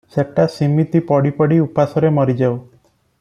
ସେଟା ସିମିତି ପଡ଼ି ପଡ଼ି ଉପାସରେ ମରି ଯାଉ ।